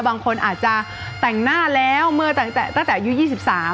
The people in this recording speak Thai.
บางคนอาจจะแต่งหน้าแล้วเมื่อตั้งแต่ตั้งแต่อายุยี่สิบสาม